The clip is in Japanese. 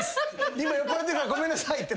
今酔っぱらってるからごめんなさいって。